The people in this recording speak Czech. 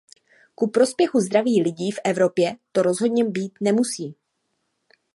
Ku prospěchu zdraví lidí v Evropě to rozhodně být nemusí.